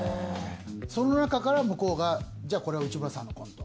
その中からむこうがじゃあこれ内村さんのコント。